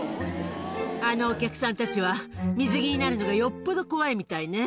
あのお客さんたちは、水着になるのがよっぽど怖いみたいね。